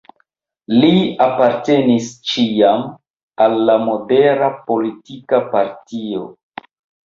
Li apartenis ĉiam al la modera politika partio.